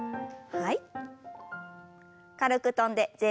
はい。